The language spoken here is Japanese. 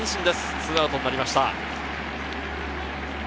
２アウトになりました。